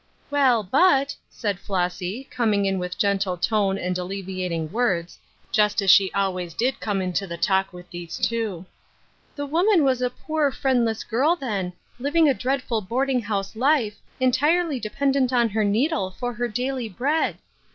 '' "Well, but," said Flossy, coming in with gentle tone and alleviating words, just as she always did come into the talk of these two. " The woman was a poor, friendless girl then, living a dreadful boarding house life, entirely dependent on her needle for her daily bread.